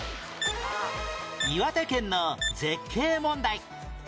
岩手県の絶景問題